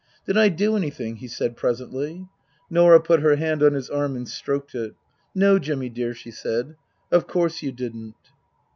" Did I do anything ?" he said presently. Norah put her hand on his arm and stroked it " No, Jimmy dear," she said, " of course you didn't."